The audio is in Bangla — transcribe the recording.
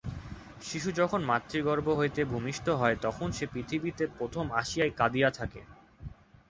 শিশু যখন মাতৃগর্ভ হইতে ভূমিষ্ঠ হয়, তখন সে পৃথিবীতে প্রথম আসিয়াই কাঁদিয়া থাকে।